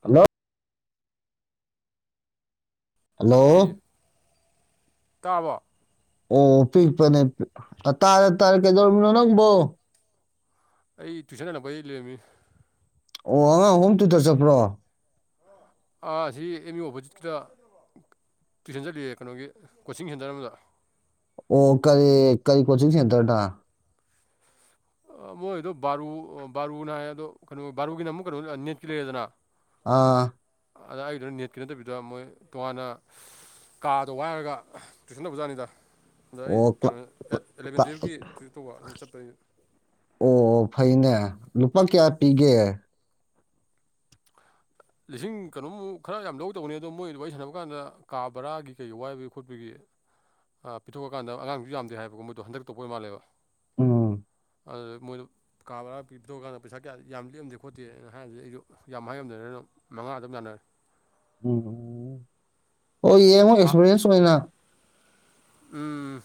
Hello hello ꯇꯥꯕ ꯑꯣ ꯄꯤꯛꯄꯅꯦ ꯇꯔꯦ ꯇꯔꯦ ꯀꯩꯗꯧꯔꯃꯤꯅꯣ ꯅꯪꯕꯣ ꯑꯩ ꯇꯌꯨꯁꯟ ꯂꯄ ꯂꯩꯃꯤ ꯑꯣ ꯑꯉꯥꯡ ꯑꯍꯨꯝ ꯇꯨꯗ ꯆꯠꯄ꯭ꯔꯣ ꯁꯤ ꯑꯦꯝ ꯌꯨ ꯑꯣꯄꯣꯖꯤꯠꯀꯤꯗ ꯇꯨꯏꯁꯟ ꯆꯠꯂꯤꯌꯦ ꯀꯩꯅꯣꯒꯤ ꯀꯣꯆꯤꯡ ꯁꯦꯟꯇꯔ ꯑꯃꯗ ꯑꯣ ꯀꯔꯤ ꯀꯔꯤ ꯀꯣꯆꯤꯡ ꯁꯦꯟꯇꯔꯅ ꯃꯣꯏꯗꯣ ꯕꯥꯔꯨ ꯕꯥꯔꯨꯅ ꯍꯥꯏ ꯑꯗꯣ ꯀꯩꯅꯣ ꯕꯥꯔꯨꯒꯤꯅ ꯑꯃꯨꯛ ꯀꯩꯅꯣ ꯅꯦꯠꯀꯤ ꯂꯩꯔꯦꯗꯅ ꯑꯥ ꯑꯗ ꯑꯩꯒꯤꯗꯨꯗ ꯅꯦꯠꯀꯤ ꯅꯠꯇꯕꯤꯗ ꯃꯣꯏ ꯇꯣꯉꯥꯟꯅ ꯀꯥꯗꯣ ꯋꯥꯏꯔꯒ ꯇꯨꯏꯁꯟ ꯇꯧꯕꯖꯥꯠꯅꯤꯗ ꯑꯗ ꯑꯩ ꯑꯣ ꯀꯩꯅꯣ ꯑꯦꯂꯚꯦꯟ ꯇꯨꯌꯦꯜꯞꯀꯤ ꯇꯨꯏꯁꯟ ꯇꯧꯕ ꯑꯗꯨ ꯆꯠꯄꯒꯤ [unintelligible] ꯑꯣ ꯐꯩꯅꯦ꯫ ꯂꯨꯄꯥ ꯀꯌꯥ ꯄꯤꯒꯦ꯫ ꯂꯤꯁꯤꯡ ꯀꯩꯅꯣꯃꯨꯛ ꯈꯔ ꯌꯥꯝ ꯂꯧ ꯇꯧꯕꯅꯤ ꯑꯗꯣ ꯃꯣꯏ ꯑꯗꯨ ꯋꯥꯔꯤ ꯁꯥꯟꯅꯕ ꯀꯥꯟꯗ ꯀꯥ ꯕꯔꯥꯒꯤ ꯀꯩꯒꯤ ꯋꯥꯏꯕꯒꯤ ꯈꯣꯠꯄꯒꯤ ꯑ ꯄꯤꯊꯣꯛꯈꯀꯥꯟꯗ ꯑꯉꯥꯡꯖꯨ ꯌꯥꯝꯗꯦ ꯍꯥꯏꯌꯦꯕꯀꯣ ꯃꯣꯏꯗꯣ ꯍꯟꯗꯛꯇ ꯇꯧꯕ ꯑꯣꯏꯕ ꯃꯥꯜꯂꯦꯕ꯫ ꯎꯝ꯫ ꯑꯗꯨꯗ ꯃꯣꯏꯗꯣ ꯀꯥ ꯕ꯭ꯔꯥ ꯄꯤꯊꯣꯛꯀꯥꯟꯗ ꯄꯩꯁꯥ ꯀꯌꯥ ꯌꯥꯝ ꯂꯦꯝꯗꯦ ꯈꯣꯠꯇꯦ ꯍꯥꯏꯕꯖꯤꯗ ꯑꯩꯖꯨ ꯌꯥꯝ ꯍꯥꯏꯉꯝꯗꯅꯅ ꯑꯗꯨꯝ ꯃꯉꯥꯗ ꯑꯗꯨꯝ ꯌꯥꯥꯟꯅꯔꯦ꯫ ꯎꯝ ꯎꯝ꯫ ꯑꯣ ꯌꯦꯡꯉꯣ ꯍꯥ ꯑꯦꯛꯁꯄꯤꯔꯤꯌꯦꯟꯁ ꯑꯣꯏꯅ꯫ ꯎꯝ꯫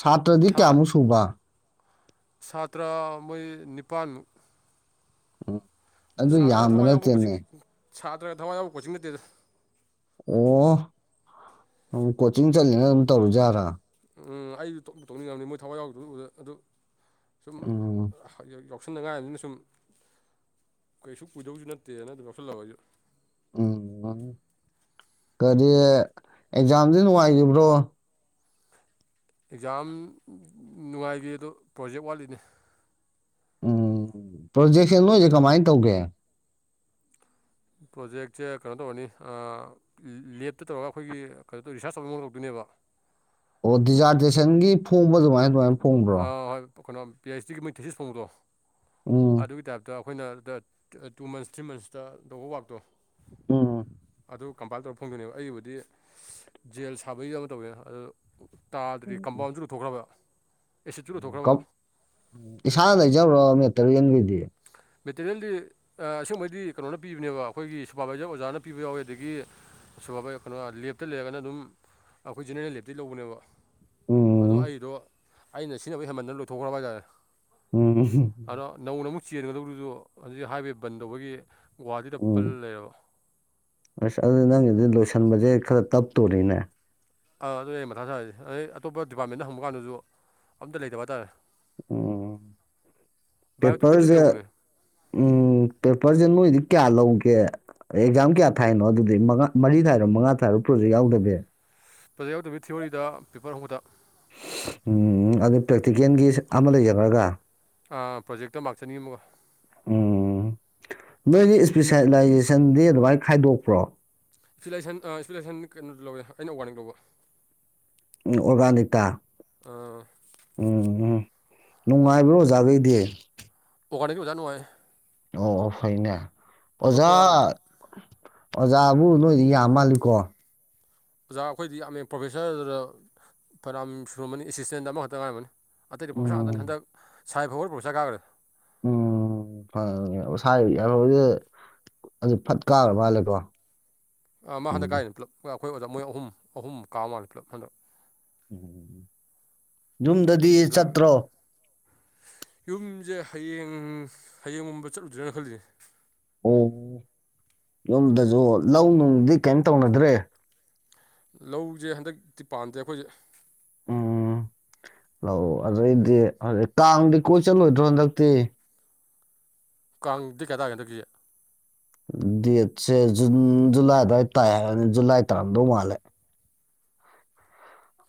ꯁꯥꯇ꯭ꯔꯗꯤ ꯍꯥ ꯀꯌꯥꯃꯨꯛ ꯁꯨꯕ꯫ ꯁꯥꯇ꯭ꯔ ꯃꯣꯏ ꯅꯤꯄꯥꯜꯃꯨꯛ꯫ [inaudible] ꯑꯗꯨ ꯁꯥꯇ꯭ꯔ ꯌꯥꯝꯕ ꯊꯋꯥꯏ ꯌꯥꯎꯕ ꯀꯣꯆꯤꯡ ꯅꯠꯇꯦꯅꯦ ꯁꯥꯇ꯭ꯔꯒ ꯊꯋꯥꯏ ꯌꯥꯎꯕ ꯀꯣꯆꯤꯡ ꯅꯠꯇꯦꯗ꯫ ꯑꯣ ꯀꯣꯆꯤꯡ ꯆꯠꯂꯤꯅ ꯑꯗꯨꯝ ꯇꯧꯔꯤꯖꯥꯠꯂ꯫ ꯎꯝ ꯑꯩꯖꯨ ꯇꯣꯛ ꯇꯧꯅꯤꯡꯉꯝꯅꯤ ꯃꯣꯏ ꯊꯋꯥꯏ ꯌꯥꯎꯗꯕꯗꯨ ꯎꯕꯗ ꯑꯗꯨ ꯁꯨꯝ ꯎꯝ [unintelligible] ꯂꯤꯁꯤꯡ ꯃꯉꯥꯅꯤꯅ ꯁꯨꯝ ꯀꯩꯁꯨ ꯀꯨꯏꯗꯧꯖꯨ ꯅꯠꯇꯦꯅ ꯑꯗꯨꯝ ꯂꯧꯁꯜꯂꯕ ꯑꯩꯖꯨ꯫ ꯎꯝ ꯀꯔꯤ ꯑꯦꯛꯖꯥꯝꯗꯤ ꯅꯨꯡꯉꯥꯏꯒꯤꯕ꯭ꯔꯣ꯫ ꯑꯦꯛꯖꯥꯝ ꯅꯨꯡꯉꯥꯏꯒꯤ ꯑꯗꯣ ꯄ꯭ꯔꯣꯖꯦꯛ ꯋꯥꯠꯂꯤꯅꯦ꯫ ꯎꯝ ꯄ꯭ꯔꯣꯖꯦꯛꯁꯦ ꯅꯣꯏꯖꯦ ꯀꯃꯥꯏ ꯇꯧꯒꯦ꯫ ꯄ꯭ꯔꯣꯖꯦꯛꯁꯦ ꯀꯩꯅꯣ ꯇꯧꯔꯅꯤ ꯑ ꯂꯦꯞꯇ ꯇꯧꯔꯒ ꯑꯩꯈꯣꯏꯒꯤ ꯀꯩꯅꯣ ꯇꯧ ꯔꯤꯁꯥꯔꯁ ꯇꯧꯕ ꯃꯑꯣꯡ ꯇꯧꯗꯣꯏꯅꯦꯕ꯫ ꯑꯣ ꯗꯤꯖꯥꯔꯗꯦꯁꯒꯤ ꯐꯣꯡꯕ ꯑꯗꯨꯃꯥꯏ ꯑꯗꯨꯃꯥꯏꯅ ꯐꯣꯡꯕ꯭ꯔꯣ꯫ ꯍꯣꯏ ꯀꯩꯅꯣ ꯄꯤ ꯑꯩꯆ ꯗꯤꯒꯤ ꯃꯣꯏ ꯊꯦꯁꯤꯁ ꯐꯣꯡꯕꯗꯣ ꯎꯝ ꯑꯗꯨꯒꯤ ꯇꯥꯏꯞꯇ ꯑꯩꯈꯣꯏꯅ ꯗ ꯇꯨ ꯃꯟꯁ ꯊ꯭ꯔꯤ ꯃꯟꯁꯇ ꯇꯧꯕ ꯋꯥꯛꯇꯣ ꯎꯝ꯫ ꯑꯗꯨ ꯀꯝꯄꯥꯏꯜ ꯇꯧꯔ ꯐꯪꯗꯣꯏꯅꯦꯕ ꯑꯩꯒꯤꯕꯨꯗꯤ ꯖꯦꯜ ꯁꯥꯕꯒꯤ ꯑꯃ ꯇꯧꯋꯦ ꯑꯗꯨ ꯇꯥꯗ꯭ꯔꯤ ꯀꯝꯄꯥꯎꯟꯖꯨ ꯂꯨꯊꯣꯛꯈ꯭ꯔꯕ꯫ ꯑꯦꯁꯤꯠꯁꯨ ꯂꯨꯊꯣꯛꯈ꯭ꯔꯕ [unintelligible] ꯏꯁꯥꯅ ꯂꯩꯖꯕꯔꯣ [unintelligible] ꯃꯦꯇꯔꯤꯌꯦꯜꯗꯤ ꯑ ꯑꯁꯦꯡꯕꯩꯗꯤ ꯀꯩꯅꯣꯅ ꯄꯤꯕꯅꯦꯕ ꯑꯩꯈꯣꯏꯒꯤ ꯁꯨꯄꯔꯕꯥꯏꯖꯔ ꯑꯣꯖꯥꯅ ꯄꯤꯕ ꯌꯥꯎꯋꯤ ꯑꯗꯒꯤ ꯁꯨ ꯀꯩꯅꯣ ꯂꯦꯞꯇ ꯂꯩꯔꯒꯅ ꯑꯗꯨꯝ ꯑꯩꯈꯣꯏ ꯖꯦꯅꯦꯔꯦꯜ ꯂꯦꯞꯇꯒꯤ ꯂꯧꯕꯅꯦꯕ꯫ ꯑꯗꯣ ꯎꯝ ꯑꯩꯒꯤꯗꯣ ꯑꯩꯅ ꯁꯤꯟꯅꯕ ꯍꯦꯃꯟꯗꯅ ꯂꯣꯏꯊꯣꯛꯈ꯭ꯔꯕ ꯍꯥꯏꯇꯥꯔꯦ꯫ ꯎꯝ꯫ ꯑꯗꯣ ꯅꯧꯅ ꯑꯃꯨꯛ ꯆꯦꯟꯒꯗꯧꯗꯨꯁꯨ ꯍꯧꯖꯤꯛ ꯍꯥꯏꯋꯦ ꯕꯟ ꯇꯧꯕꯒꯤ ꯒꯨꯍꯥꯇꯤꯗ ꯎꯝ ꯄꯜ ꯂꯩꯔꯕ ꯑꯁ ꯑꯗꯨ ꯅꯪ ꯂꯣꯏꯁꯤꯟꯕꯁꯦ ꯈꯔ ꯇꯞꯇꯣꯔꯤꯅꯦ꯫ ꯑꯥ ꯑꯗꯨꯅꯦ ꯑꯩ ꯃꯊꯥ ꯁꯥꯢꯁꯦ ꯑꯗꯩ ꯑꯇꯣꯞꯄ ꯗꯤꯄꯥꯔꯠꯃꯦꯟꯗ ꯍꯪꯕ ꯀꯥꯟꯗꯁꯨ ꯑꯝꯇ ꯂꯩꯇꯕ ꯍꯥꯏꯇꯥꯔꯦ꯫ ꯎꯝ ꯕꯥꯏꯑꯣꯇꯤꯛꯇꯕꯨꯗꯤ ꯄꯦꯄꯔꯁꯦ ꯂꯩꯍꯧꯕꯅꯦ ꯎꯝ ꯄꯦꯄꯔꯁꯦ ꯅꯣꯏꯗꯤ ꯀꯌꯥ ꯂꯧꯒꯦ꯫ ꯑꯦ ꯑꯦꯛꯖꯥꯝ ꯀꯌꯥ ꯊꯥꯏꯅꯣ ꯑꯗꯨꯗꯤ ꯃꯉꯥ ꯃꯔꯤ ꯊꯥꯏꯔꯣ ꯃꯉꯥ ꯊꯥꯢꯔꯣ ꯄ꯭ꯔꯣꯖꯦꯛ ꯌꯥꯎꯗꯕꯤ꯫ ꯄ꯭ꯔꯣꯖꯦꯛ ꯌꯥꯎꯗꯕꯤ ꯊꯤꯑꯣꯔꯤꯗ ꯄꯦꯄꯔ ꯑꯍꯨꯝꯈꯇꯥ꯫ ꯎꯝ ꯑꯗꯨ ꯄ꯭ꯔꯦꯛꯇꯤꯀꯦꯜꯒꯤ ꯑꯃ ꯂꯩꯖꯔꯒ꯫ ꯑꯥ ꯄ꯭ꯔꯣꯖꯦꯛꯇ ꯃꯥꯛꯆꯅꯤ ꯑꯃꯒ꯫ ꯅꯣꯏꯒꯤ ꯏꯁꯄꯤꯁꯦꯂꯥꯏꯖꯦꯁꯟꯗꯤ ꯑꯗꯨꯃꯥꯏꯅ ꯈꯥꯏꯗꯣꯛꯄ꯭ꯔꯣ꯫ ꯏꯁꯄꯤꯂꯥꯢꯁꯟ ꯏꯁꯐꯤꯂꯥꯏꯁꯟ ꯀꯩꯅꯣꯗ ꯂꯧꯋꯦ ꯑꯩꯅ ꯑꯣꯔꯒꯅꯤꯛ ꯂꯧꯕ꯫ ꯎꯝ ꯑꯣꯔꯒꯅꯤꯇꯥ꯫ ꯑꯥ꯫ ꯎꯝ ꯎꯝ ꯅꯨꯡꯉꯥꯏꯕ꯭ꯔꯣ ꯑꯣꯖꯥꯒꯩꯗꯤ꯫ ꯑꯣꯒꯅꯤꯛ ꯑꯣꯖꯥ ꯅꯨꯡꯉꯥꯏ꯫ ꯑꯣ ꯑꯣ ꯐꯩꯅꯦ꯫ ꯑꯣꯖꯥ꯫ ꯑꯇꯣꯞꯄ ꯑꯣꯖꯥꯕꯨ ꯅꯣꯏꯗꯤ ꯌꯥꯝ ꯃꯥꯜꯂꯤꯀꯣ꯫ ꯑꯣꯖꯥ ꯑꯩꯈꯣꯏꯗꯤ ꯌꯥꯝꯃꯦ ꯄ꯭ꯔꯣꯐꯦꯁꯔꯗꯨꯗ ꯐꯅꯌꯥꯝ ꯁꯨꯔꯝꯃꯅꯤ ꯑꯦꯁꯤꯁꯇꯦꯟꯗ ꯑꯃꯈꯛꯇ ꯉꯥꯏꯔꯝꯃꯅꯤ꯫ ꯑꯇꯩ ꯄ꯭ꯔꯣꯐꯦꯁꯔ ꯉꯥꯛꯇꯅꯦ ꯎꯝ ꯍꯟꯗꯛ꯫ ꯁꯥꯏ ꯈꯣꯕꯔ ꯄ꯭ꯔꯣꯐꯦꯁꯔ ꯀꯒ꯭ꯔꯦ꯫ ꯎꯝ ꯐꯥ [unintelligible] ꯐꯠ ꯀꯥꯈꯒ꯭ꯔ ꯃꯥꯜꯂꯦꯀꯣ꯫ ꯃꯥ ꯍꯟꯗꯛ ꯎꯝ ꯀꯥꯏꯅꯤ ꯄꯨꯂꯞ ꯑꯩꯈꯣꯏ ꯑꯣꯖꯥ ꯃꯣꯏ ꯑꯍꯨꯝ ꯑꯍꯨꯝ ꯀꯥ ꯃꯥꯂꯦ ꯄꯨꯂꯞ ꯍꯟꯗꯛ꯫ ꯎꯝ ꯌꯨꯝꯗꯗꯤ ꯑꯗꯨ ꯆꯠꯇ꯭ꯔꯣ꯫ ꯌꯨꯝꯁꯦ ꯍꯌꯦꯡ ꯍꯌꯦꯡꯒꯨꯝꯕ ꯆꯠꯂꯨꯖꯤꯔ ꯈꯜꯂꯤꯅꯦ꯫ ꯑꯣ ꯌꯨꯝꯗꯁꯨ ꯂꯧ ꯅꯨꯡꯗꯤ ꯀꯩꯝ ꯇꯧꯅꯗ꯭ꯔꯦ꯫ ꯂꯧꯁꯦ ꯍꯟꯗꯛꯇꯤ ꯄꯥꯟꯗꯦ ꯑꯩꯈꯣꯏꯁꯦ꯫ ꯎꯝ ꯂꯥꯛꯑꯣ ꯑꯗꯨꯗꯩꯗꯤ ꯀꯥꯡꯗꯤ ꯀꯣꯏ ꯆꯠꯂꯣꯏꯗ꯭ꯔꯣ ꯍꯟꯗꯛꯇꯤ꯫ ꯀꯥꯡ ꯗꯦꯠ ꯀꯌꯥ ꯇꯒꯗꯒꯦ꯫ ꯗꯦꯠꯁꯦ ꯖꯨꯟ ꯖꯨꯂꯥꯏ ꯑꯗꯨꯋꯥꯏꯗ ꯇꯥꯏ ꯍꯥꯏꯔꯅꯤ ꯖꯨꯂꯥꯏ ꯇꯔꯥꯝꯗꯧ ꯃꯥꯜꯂꯦ꯫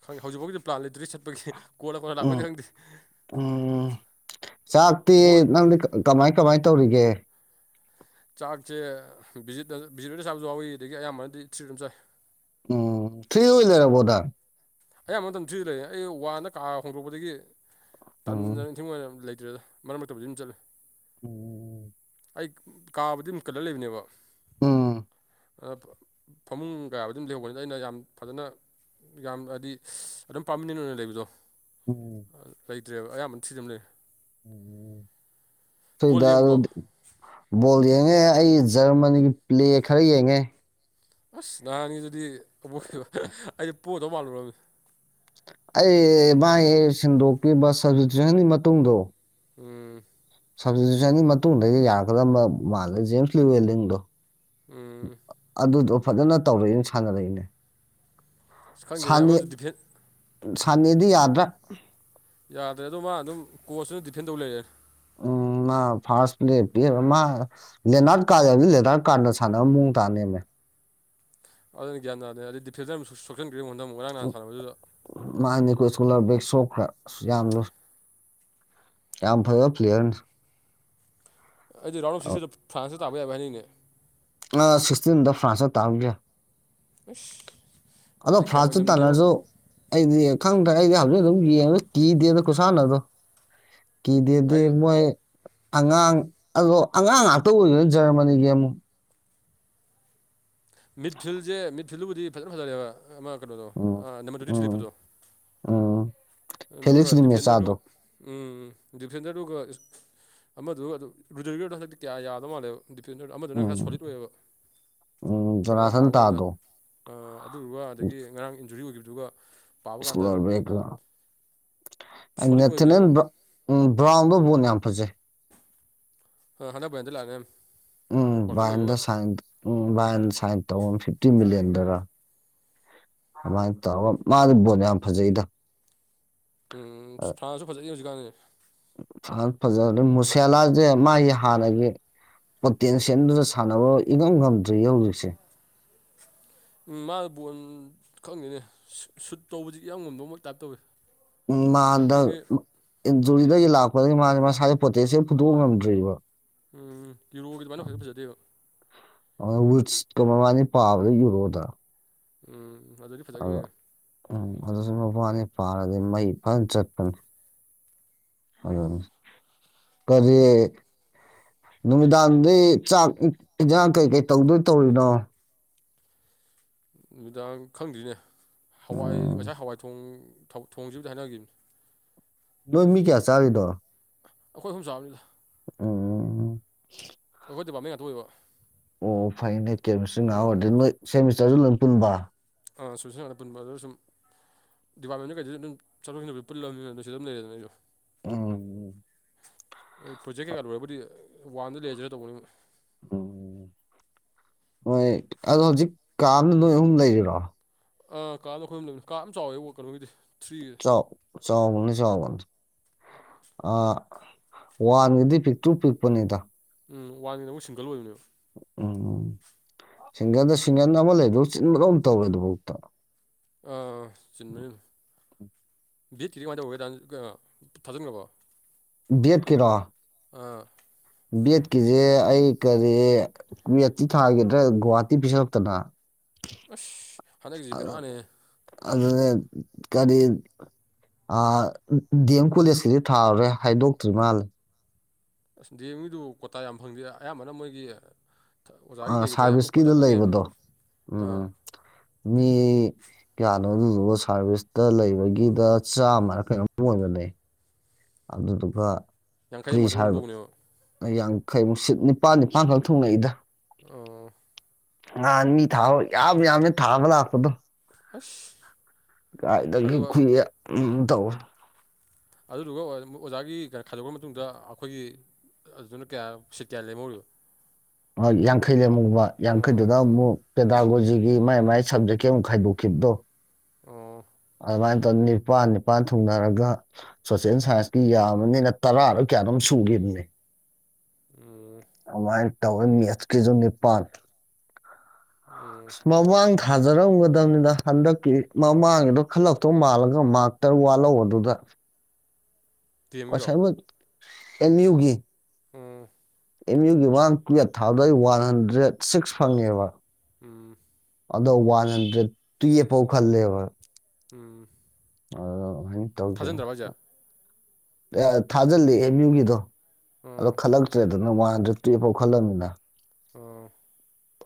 ꯈꯪꯗꯦ ꯍꯧꯖꯤꯛꯐꯥꯎꯒꯤꯗꯤ ꯄ꯭ꯂꯥꯟ ꯂꯩꯇ꯭꯭ꯔꯔꯤ ꯆꯠꯄꯒꯤ꯫ ꯀꯣꯟꯅ ꯀꯣꯟꯅ ꯂꯥꯛꯄꯩꯗꯤ ꯎꯝ ꯈꯪꯗꯦ ꯎꯝ ꯆꯥꯛꯇꯤ ꯕꯣꯜ ꯅꯪꯗꯤ ꯀꯃꯥꯏ꯫ ꯀꯃꯥꯏ ꯇꯧꯔꯤꯒꯦ꯫ ꯆꯥꯛꯁꯦ ꯚꯤꯖꯤꯠ ꯚꯤꯖꯤꯠꯍꯣꯏꯒ ꯆꯥꯕꯁꯨ ꯌꯥꯎꯋꯤ ꯑꯗꯒꯤ ꯑꯌꯥꯝꯕꯅꯗꯤ ꯊ꯭ꯔꯤ ꯑꯗꯨꯨꯝ ꯆꯥꯏ꯫ ꯎꯝ ꯊ꯭ꯔꯤ ꯍꯨꯏ ꯂꯔꯕꯣꯗ꯫ ꯑꯌꯥꯝꯕ ꯃꯇꯝ ꯊ꯭ꯔꯤꯗ ꯂꯩ ꯑꯩ ꯋꯥꯟ ꯀꯥ ꯍꯣꯡꯗꯣꯛꯄꯗꯒꯤ꯫ ꯎꯝ ꯇꯟꯗꯥꯅ ꯢꯟꯊꯤ ꯅꯨꯡ ꯉꯥꯢꯂꯩ ꯭ꯗꯔꯦꯗ ꯃꯔꯛ ꯃꯔꯛꯇꯕꯨꯗꯤ ꯑꯗꯨꯝ ꯆꯠꯂꯤ꯫ ꯎꯝ꯫ ꯑꯩ ꯀꯥꯕꯨꯗꯤ ꯑꯗꯨꯝ ꯀꯜꯂ ꯂꯩꯕꯅꯦꯕ꯫ ꯎꯝ꯫ ꯑ ꯐꯃꯨꯡ ꯀꯌꯥꯕꯨ ꯑꯗꯨꯝ ꯂꯩꯍꯧꯕꯅꯤꯗ ꯑꯩꯅ ꯌꯥꯝ ꯐꯖꯅ ꯌꯥꯝ ꯑꯗꯤ꯫ ꯑꯗꯨꯝ ꯄꯥꯔꯃꯅꯦꯟ ꯑꯣꯏꯅ ꯂꯩꯕꯗꯣ꯫ ꯎꯝ꯫ ꯗ꯭ꯔꯦꯕ ꯑꯌꯥꯝꯕꯅ ꯊ꯭ꯔꯤꯗ ꯑꯗꯨꯝ ꯂꯩ꯫ ꯕꯣꯜ ꯌꯦꯡꯕ꯭ꯔꯣ ꯁꯤꯗꯣꯒꯦ ꯌꯦꯡꯉꯦ ꯑꯩ ꯖꯔꯃꯅꯤꯒꯤ ꯄ꯭ꯂꯦ ꯈꯔ ꯌꯦꯡꯉꯦ ꯑꯁ ꯅꯍꯥꯟꯒꯤꯗꯨꯗꯤ ꯑꯃꯨꯛꯕ ꯑꯩꯗꯤ ꯄꯣꯠꯇꯧ ꯃꯥꯜꯂꯨꯔꯔꯕꯅꯤ ꯑꯩ ꯃꯥꯒꯤ ꯁꯤꯟꯗꯣꯛꯈꯤꯕꯕ ꯁꯇ꯭ꯨꯁꯟꯒꯤ ꯃꯇꯨꯡꯗꯣ ꯎꯝ ꯁꯕꯁꯟꯒꯤ ꯃꯇꯨꯡꯗꯒꯤ ꯌꯥꯔꯛꯀꯗꯕ ꯃꯥꯜꯂꯦ ꯖꯦꯝꯁ ꯂꯨꯋꯦꯗꯤꯡꯗꯣ ꯎꯝ ꯑꯗꯨ ꯑꯗꯨ ꯐꯖꯅ ꯇꯧꯔꯛꯏꯅꯦ ꯁꯥꯟꯅꯔꯛꯏꯅꯦ ꯈꯪꯗ꯭ꯅꯦ ꯁꯥꯅꯦ ꯑꯃꯁꯨ ꯗꯤꯐꯦꯟ ꯁꯥꯅꯦꯗꯤ ꯌꯥꯗ꯭ꯔꯥ ꯌꯥꯗ꯭ꯔꯦ ꯑꯗꯣ ꯃꯥ ꯑꯗꯨꯝ ꯀꯣꯆꯇꯅ ꯗꯤꯐꯦꯟ ꯇꯧ ꯂꯩꯔꯦ ꯎꯝ ꯃꯥ ꯐꯥꯔꯁ ꯗꯦ ꯄꯤ ꯃꯥ ꯂꯦꯅꯥꯔ ꯀꯥꯔꯕꯗꯤ ꯂꯦꯅꯥꯔ ꯀꯥꯔꯗ ꯁꯥꯟꯅꯕ ꯃꯑꯣꯡ ꯇꯥꯅꯦꯃꯦ ꯑꯗꯨꯅ ꯒ꯭ꯌꯥ ꯅꯗ ꯑꯗꯨꯗꯤ ꯐ ꯁꯣꯛ ꯃꯥꯥꯏꯅꯤ ꯀꯣꯏ ꯁꯀꯨꯂꯦꯛ ꯁꯣ ꯑ ꯌꯥꯝ ꯂꯨ ꯌꯥꯝ ꯐꯕ ꯄ꯭ꯂꯦꯌꯔꯅ ꯑꯩꯗꯤ ꯔꯥꯎꯟ ꯑꯣꯐꯁꯤꯁꯤꯗ ꯐ꯭ꯔꯥꯟꯁꯇ ꯇꯥꯕ ꯌꯥꯕꯅꯤꯅꯦ ꯑ ꯁꯤꯁꯇꯤꯟꯗ ꯐ꯭ꯔꯥꯟꯁ ꯇꯥꯕꯒ ꯑꯁ ꯑꯗꯣ ꯑꯗꯨꯗꯤ ꯀꯌꯥ ꯐ꯭ꯔꯥꯟꯁꯇ ꯑꯣꯏꯅꯝꯗꯦꯕꯣ ꯇꯥꯟꯅꯔꯁꯨ ꯑꯩꯗꯤ ꯈꯪꯗ꯭ꯔꯦ ꯑꯩꯗꯤ ꯌꯦ ꯀꯗꯤꯗ ꯀꯨꯁꯥꯅꯥꯗꯣ ꯀ ꯗꯗꯤ ꯑꯩꯁꯨ ꯃꯣꯏ ꯑꯉꯥꯡ ꯑꯗꯣ ꯑꯉꯥꯡ ꯉꯥꯛꯇ ꯑꯣꯏꯗꯣꯏꯅ ꯖꯔꯃꯅꯤꯒꯤ ꯑꯃꯨꯛ ꯃꯤ ꯐꯤꯜꯖꯦ ꯐꯤꯜꯕꯨꯗꯤ ꯐꯖ ꯐꯖꯔꯦꯕ ꯑ ꯃꯥ ꯀꯩꯅꯣꯗꯣ ꯎꯝ ꯑ ꯅ ꯃ ꯎꯝ ꯂꯤꯄꯠꯇꯣ ꯎꯝ ꯑꯗꯨ ꯐꯦꯂꯤꯛꯁ ꯗꯤꯐꯦꯟꯗꯔꯗꯨ ꯃꯦꯆꯥꯗꯣ ꯎꯝ ꯗꯤꯐꯦꯟꯗꯔꯗꯨꯒ ꯑꯃꯗꯨꯒ ꯑꯗꯨ ꯔꯨꯗꯗꯣ ꯍꯟꯗꯛꯇꯤ ꯀꯌꯥ ꯌꯥꯗꯧ ꯃꯥꯜꯂꯦꯕ ꯗꯤꯐꯦꯟꯗꯔ ꯑꯃꯗꯨꯅ ꯈꯔ ꯎꯝ ꯁꯣꯂꯤꯠ ꯑꯣꯏꯌꯦꯕ ꯎꯝ ꯀꯩꯅꯣꯝꯃ ꯖꯣꯅꯥꯊꯟ ꯄꯥꯕ ꯀꯥꯟꯗ ꯇꯥꯗꯣ ꯑ ꯑꯗꯨꯔꯒ ꯑꯗꯒꯤ ꯉꯔꯥꯡ ꯏꯟꯖꯨꯔꯤ ꯑꯣꯏꯈꯤꯕꯥ ꯑꯗꯨꯒ ꯁ꯭ꯀꯨꯜꯔꯕꯦꯛꯒ ꯁꯣꯂꯤꯠ ꯊꯅ ꯑꯣꯏꯕꯅꯦꯕ ꯎ ꯕꯥꯎꯗ ꯅ [unintelligible] ꯐꯖꯩ ꯑ ꯍꯥꯟꯅꯟꯗ ꯂꯦ ꯎꯝ [unintelligible] ꯏꯗꯣ ꯁꯥꯏ ꯎꯝ ꯃꯥꯅ ꯁꯥꯏꯟ ꯇꯧꯕꯔ ꯐꯤꯐꯇꯤ ꯃꯤꯂꯤꯌꯟꯗꯔ ꯑꯗꯨꯃꯥꯏꯅ ꯇꯧꯔ ꯃꯥꯗꯤ ꯕꯣꯜ ꯌꯥꯝ ꯐꯖꯩꯗ ꯎꯝ ꯐ꯭ꯔꯥꯟꯁꯁꯨ ꯐꯖꯩ ꯍꯧꯖꯤꯛ ꯀꯔꯤ ꯐ꯭ꯔꯥꯟꯁ ꯐꯖ ꯍꯜꯂꯤ ꯃꯨꯁꯤꯌꯥꯂꯥꯁꯦ ꯃꯥꯒꯤ ꯍꯥꯟꯅꯒꯤ ꯄꯣꯇꯦꯟꯁꯤꯌꯦꯜꯗꯨꯗ ꯁꯥꯟꯅꯕ ꯏꯉꯝ ꯉꯝꯗ꯭ꯔꯤꯌꯦ ꯍꯧꯖꯤꯛꯁꯦ ꯎꯝ ꯃꯥꯅ ꯕꯣꯟ ꯈꯪꯗꯦꯅꯦ ꯁꯨꯠ ꯇꯧꯕꯁꯤ ꯏꯉꯝ ꯉꯝꯗꯥꯕꯩ ꯇꯥꯏꯞ ꯇꯧꯋꯤ ꯎꯝ ꯃꯥ ꯍꯟꯗꯛ ꯑꯗꯒꯤ ꯨꯔꯤꯗꯒꯤ ꯂꯥꯛꯄꯗꯒꯤ ꯃꯥꯒꯤ ꯃꯁꯥꯒꯤ ꯄꯣꯇꯦꯟꯁꯦꯜ ꯐꯨꯊꯣꯛꯄ ꯉꯝꯗ꯭ꯔꯤꯕ ꯎꯝ ꯀꯤꯔꯣꯒꯤ ꯑꯗꯨꯃꯥꯏꯅ ꯍꯧꯖꯤꯛ ꯐꯖꯗꯦꯕ ꯑꯗꯨ ꯋꯤꯠꯁꯀ ꯃꯕꯥꯟꯅꯤ ꯄꯥꯕꯗꯣ ꯌꯨꯔꯣꯗ ꯎꯝ ꯑꯗꯨ ꯗꯥꯗꯤ ꯑꯗꯣ ꯐꯖꯒꯤꯕꯅꯦ ꯎꯝ ꯑꯗꯨꯁꯨ ꯃꯕꯥꯟꯅꯤ ꯄꯥꯔꯗꯤ ꯃꯩ ꯐꯖꯅ ꯆꯠꯄꯅꯤ ꯑꯗꯨ ꯀꯔꯤ ꯅꯨꯃꯤꯗꯥꯡꯗꯩ ꯆꯥꯛ ꯏꯟꯖꯥꯡ ꯀꯩꯀꯩ ꯇꯧꯗꯣꯏ ꯇꯧꯔꯤꯕꯅꯣ ꯅꯨꯃꯤꯗꯥꯡ ꯈꯪꯗ꯭ꯔꯤꯅꯦ ꯍꯋꯥꯏ ꯎꯝ ꯉꯁꯥꯏ ꯍꯋꯥꯏ ꯊꯣꯡ ꯊꯣꯡꯁꯤꯕꯨ ꯍꯥꯏꯅꯈꯤꯕꯅꯦ ꯅꯣꯏ ꯃꯤ ꯀꯌꯥ ꯆꯥꯔꯤꯅꯣ ꯑꯩꯈꯣꯏ ꯑꯨꯝ ꯆꯥꯕꯅꯤꯗ ꯎꯝ ꯑꯩꯈꯣꯏ ꯗꯤꯄꯥꯔꯠꯃꯦꯟ ꯉꯥꯛꯇ ꯑꯣꯏꯕ ꯑꯣ ꯐꯥꯏꯅꯦ ꯀꯦꯃꯤꯁꯇ꯭ꯔꯤ ꯉꯥꯛ ꯑꯣꯏꯔꯗꯤ [unintelligible] ꯄꯨꯟꯕ ꯁꯣꯂꯨꯁꯟꯥꯟꯅ ꯄꯨꯟꯕ ꯑꯗ ꯁꯨꯝ ꯗꯤꯄꯥꯔꯠꯃꯦꯟ ꯀꯩꯗꯁꯨ ꯑꯗꯨꯝ ꯆꯠꯊꯁꯤ ꯄꯨꯜꯂꯕꯗ ꯁꯤ ꯑꯗꯨꯝ ꯂꯩꯔꯦꯗꯅ ꯑꯩꯁꯨ ꯎꯝ ꯑꯥ ꯄ꯭ꯔꯣꯖꯦꯛ ꯀꯩꯀꯥ ꯂꯣꯏꯔꯕꯨꯗꯤ ꯋꯥꯟꯗ ꯂꯩꯔꯖꯤꯔꯥ ꯇꯧꯕꯅꯤ ꯎꯝ ꯍꯣꯏ ꯑꯗꯣ ꯍꯧꯖꯤꯛ ꯀꯥ ꯑꯃꯥꯗ ꯅꯣꯏ ꯑꯍꯨꯝ ꯂꯩꯔꯤꯔꯣ ꯑꯥ ꯀꯥ ꯑꯃꯥꯗ ꯑꯩꯈꯣꯏ ꯑꯃ ꯂꯩꯅꯤ ꯀꯥ ꯌꯥꯝ ꯆꯥꯎꯋꯦ ꯀꯩꯅꯣꯒꯤꯗꯤ ꯊ꯭ꯔꯤ ꯆꯥꯎ ꯆꯥꯎꯕꯅꯦ ꯆꯥꯎꯕꯅꯦ ꯑ ꯋꯥꯟꯒꯤꯗꯤ ꯄꯤꯛꯇꯨ ꯄꯤꯛꯄꯅꯤꯗ ꯎꯝ ꯋꯥꯟꯅꯤꯅ ꯑꯃꯨꯛ ꯁꯤꯡꯒꯜ ꯑꯣꯏꯕꯅꯦꯕ ꯎꯝ ꯁꯤꯡꯒꯟꯗ ꯁꯤꯡꯒꯟ ꯑꯃ ꯂꯩꯗꯧ ꯆꯤꯟꯕꯒ ꯑꯃ ꯇꯧꯔꯦ ꯑꯗꯨꯐꯥꯎꯗ ꯑꯥ ꯆꯤꯟꯕꯅꯤ ꯑꯗꯨꯝ ꯕꯤꯠ ꯀꯥꯃꯥꯏ ꯊꯧꯒꯦ ꯗꯥ ꯀꯩꯅꯣ ꯊꯥꯖꯤꯟꯈꯔꯕꯣ ꯕꯤꯠ ꯀꯤꯔꯣ ꯑꯥ ꯕꯤꯠꯀꯤꯁꯦ ꯑꯩ ꯀꯔꯤ ꯀ꯭ꯋꯦꯠꯇꯤ ꯊꯥꯒꯤꯗ꯭ꯔꯦ ꯒꯨꯍꯥꯇꯤ ꯄꯤꯁꯜꯂꯛꯇꯅ ꯑꯁ ꯍꯟꯗꯛꯁꯤ ꯕꯦꯔꯥꯅꯦ ꯑꯗꯨꯗ ꯀꯔꯤ ꯗꯤ ꯑꯦꯝ ꯀꯣꯂꯦꯖꯀꯤꯗꯤ ꯊꯥꯔꯦ ꯍꯥꯏꯗꯣꯛꯇ꯭ꯔꯤ ꯃꯥꯜꯂꯦ ꯑꯁ ꯗꯤ ꯑꯦꯝ ꯒꯤꯗꯨꯕꯨ ꯀꯣꯇꯥ ꯌꯥꯝ ꯐꯪꯗꯦ ꯑꯌꯥꯝꯕꯅ ꯃꯣꯏꯒꯤ ꯑ ꯑꯣꯖꯥꯒꯤ ꯀꯩꯒꯤꯗ ꯑꯌꯥꯝꯕ ꯀꯣꯇꯥ ꯁꯥꯔꯚꯤꯁꯀꯤꯗ ꯃꯌꯥꯝ ꯂꯩꯔꯝꯅꯦ ꯂꯩꯕꯗꯣ ꯎꯝ ꯑꯥ ꯎꯝ ꯃꯤ ꯀꯌꯥ ꯑꯗꯨꯗꯨꯒ ꯁꯥꯔꯚꯤꯁꯇ ꯂꯩꯕꯒꯤꯗ ꯆꯥꯝꯃꯈꯩꯃꯛ ꯑꯣꯏꯕꯅꯦ ꯑꯜꯗꯨꯥ ꯌꯥꯡꯈꯩ ꯑꯃꯈꯛꯇ ꯑꯣꯏꯔꯝꯗꯧꯕꯅꯦꯕ ꯌꯥꯡꯈꯩꯃꯨꯛ ꯁꯤꯠ ꯅꯤꯄꯥꯜ ꯅꯤꯄꯥꯟꯈꯛ ꯊꯨꯡꯉꯛꯏꯗ ꯑꯣ ꯅꯍꯥꯟ ꯃꯤ ꯊꯥꯑꯣ ꯌꯥꯝ ꯌꯥꯝꯅ ꯊꯥꯕ ꯂꯥꯛꯄꯗꯣ ꯑꯁ ꯀꯥꯏꯗꯪ ꯑꯗꯨꯒ ꯈꯨ ꯎꯝ ꯇꯧ ꯑꯗꯨꯗꯨꯒ ꯑꯣꯖꯥꯒꯤ ꯀꯩꯅꯣ ꯈꯥꯏꯗꯣꯛꯈ꯭ꯔ ꯃꯇꯨꯡꯗ ꯑꯩꯈꯣꯏꯒꯤ ꯑꯗꯨꯗꯨꯅ ꯀꯌꯥ ꯁꯤꯠ ꯀꯌꯥ ꯂꯩꯦꯝꯍꯧꯔꯤꯕ ꯣꯏ ꯌꯥꯡꯈꯩ ꯂꯩꯃꯨ ꯌꯥꯡꯈꯩꯗꯨꯗ ꯑꯃꯨꯛ ꯄꯦꯗꯥꯒꯣꯖꯤꯒꯤ ꯃꯥꯏ ꯃꯥꯏ ꯁꯕꯖꯦꯛꯀꯤ ꯑꯃꯨꯛ ꯈꯥꯏꯗꯣꯛꯈꯤꯕꯗꯣ ꯑꯣ ꯑꯗꯨꯃꯥꯏꯅ ꯇꯧꯅ ꯅꯤꯄꯥꯜ ꯅꯤꯄꯥꯜ ꯊꯨꯡꯅꯔꯒ ꯁꯣꯁꯦꯜ ꯁꯥꯏꯟꯁꯀꯤ ꯌꯥꯝꯕꯅꯤꯅ ꯇꯔꯥꯗꯣ ꯀꯌꯥꯅꯣꯝ ꯁꯨꯈꯤꯕꯅꯤ ꯎꯝ ꯑꯥꯏ ꯇꯟ ꯃꯁ ꯀꯦꯖꯣ ꯅꯤꯄꯥꯜ ꯎꯝ ꯃꯃ ꯊꯥꯖꯔꯝꯒꯗꯕꯅꯤꯅ ꯍꯟꯗꯛꯀꯤ ꯃꯃꯥꯡꯒꯤꯗꯣ ꯈꯜꯂꯛꯇꯧ ꯃꯥꯜꯂꯒ ꯃꯥꯛꯇꯔ ꯋꯥꯠꯍꯧ ꯑꯗꯨꯗ ꯗꯤ ꯑꯦꯝꯒꯤꯔꯣ ꯀꯁꯥꯏꯕꯣꯗ ꯑꯦꯅꯤꯌꯨꯒꯤ ꯎꯝ ꯑꯦꯝ ꯌꯨꯒꯤ ꯃꯥꯡ ꯇꯦꯠ ꯊꯥꯗꯩ ꯋꯥꯟ ꯍꯟꯗ꯭ꯔꯦꯠ ꯁꯤꯛꯁ ꯐꯪꯉꯦꯕ ꯎꯝ ꯑꯗꯣ ꯋꯥꯟ ꯍꯟꯗ꯭ꯔꯦꯗ ꯇ꯭ꯔꯤꯐꯥꯎ ꯈꯜꯂꯦꯕ ꯎꯝ ꯑ ꯑꯗꯨꯃꯥꯏꯅ ꯇꯧꯖ ꯊꯥꯖꯤꯟꯗ꯭ꯔꯕ ꯍꯥꯏꯁꯦ ꯊꯥꯖꯤꯜꯂꯤ ꯑꯦꯝ ꯌꯨꯒꯤꯗꯣ ꯑꯗꯣ ꯑꯣ ꯈꯂꯛ ꯇ꯭ꯔꯦꯦꯟ ꯑꯗꯨꯅ ꯋꯥꯟꯗ ꯇ꯭ꯔꯤꯐꯥꯎ ꯈꯜꯂꯝꯃꯤꯅ ꯎꯝ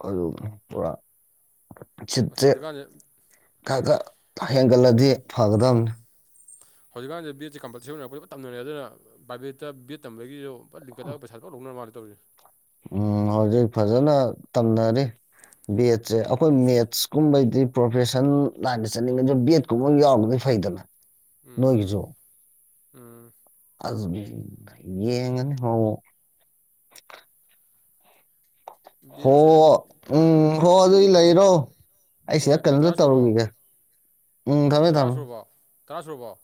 ꯑꯗꯨ ꯄꯨꯔꯥ ꯁꯣꯖꯒꯥꯥꯟ ꯈ ꯈ ꯍꯦꯟꯒꯠꯂꯗꯤ ꯐꯒꯗꯝꯕꯅꯤ ꯍꯧꯖꯤꯛꯀꯥꯟꯁꯤ ꯕꯤꯦꯠꯁꯦ ꯀꯝꯄꯜꯁ ꯑꯣꯏꯅꯔꯣꯏꯞ ꯇꯝꯅꯔꯦ ꯑꯗꯨ ꯄ꯭ꯔꯥꯏꯚꯦꯠꯇ ꯕꯤꯦꯠ ꯇꯝꯕꯗꯒꯤꯁꯨ ꯄ ꯂꯤꯡꯀꯗ ꯄꯩꯁꯔ ꯂꯧꯅ ꯃꯥꯅꯤ ꯇꯧꯔꯤ ꯎꯝ ꯍꯧꯖꯤꯛ ꯐꯖꯅ ꯇꯝꯅꯔꯤ ꯕꯦꯠꯁꯦ ꯑꯩꯈꯣꯏ ꯃꯦꯠꯁꯀꯨꯝꯕꯩꯗꯤ ꯄ꯭ꯔꯣꯐꯦꯁꯟ ꯂꯥꯏꯟꯗ ꯆꯠꯅꯤꯡꯉꯁꯨ ꯕꯤꯦꯠꯀꯨꯝꯕ ꯌꯥꯎꯔꯅꯗꯤ ꯐꯩꯗꯅ ꯎꯝ ꯅꯣꯏꯖꯣ ꯎꯝ ꯑꯦ ꯌꯦꯉ ꯍꯣ ꯍ ꯕꯦꯠꯁꯦ ꯎꯝ ꯍ ꯑꯗꯨꯏ ꯂꯩꯔꯣ ꯍꯣꯏ ꯑꯩꯁꯤꯗ ꯃꯤꯅꯤꯠ ꯇꯔꯥ ꯀꯩꯅꯣꯝꯗ ꯁꯨꯔꯕꯣ ꯇꯧꯔꯨꯈꯤꯒꯦ ꯎꯝ ꯊꯝꯃꯦ ꯇꯔꯥ ꯊꯝꯃꯦ ꯁꯨꯔꯕꯣ ꯇꯔꯥ ꯁꯨꯔꯕꯣ